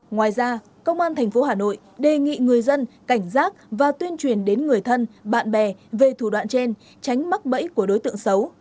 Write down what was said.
ngoài ra công an tp hà nội đề nghị người dân cảnh giác và tuyên truyền đến người thân bạn bè về thủ đoạn trên tránh mắc bẫy của đối tượng xấu